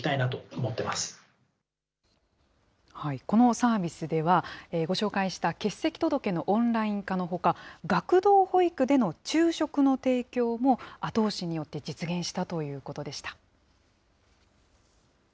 このサービスでは、ご紹介した欠席届のオンライン化のほか、学童保育での昼食の提供も、後押しによって実現したということでした。